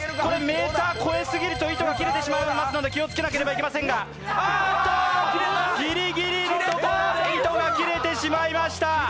メーター超え過ぎると糸が切れてしまうので、気をつけないといけませんが、あっと、ぎりぎりのところで糸が切れてしまいました！